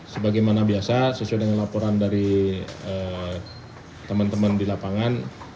sebagaimana biasa sesuai dengan laporan dari teman teman di lapangan